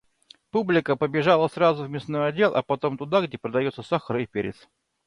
Публика побежала сразу в мясной отдел, а потом туда, где продается сахар и перец.